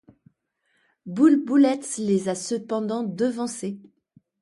Bull Bullets les a cependant devancés.